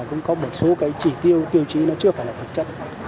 cũng có một số cái chỉ tiêu tiêu chí nó chưa phải là thực chất